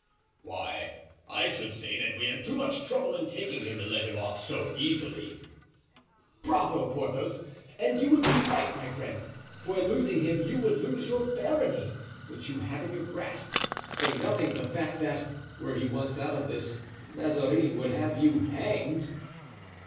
"Why, I should say that we had too much trouble in taking him to let him off so easily." "Bravo, Porthos! and you would be right, my friend; for in losing him you would lose your barony, which you have in your grasp, to say nothing of the fact that, were he once out of this, Mazarin would have you hanged."